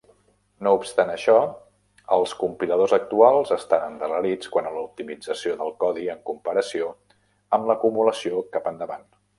No obstant això, els compiladors actuals estan endarrerits quant a l'optimització del codi en comparació amb l'acumulació cap endavant.